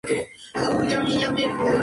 Joe Robertson fue uno de esos.